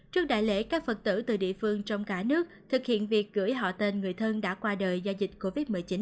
trước đại lễ các phật tử từ địa phương trong cả nước thực hiện việc gửi họ tên người thân đã qua đời do dịch covid một mươi chín